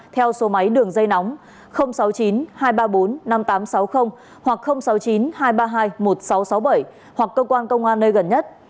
theo số máy đường dây nóng sáu mươi chín hai trăm ba mươi bốn năm nghìn tám trăm sáu mươi hoặc sáu mươi chín hai trăm ba mươi hai một nghìn sáu trăm sáu mươi bảy hoặc cơ quan công an nơi gần nhất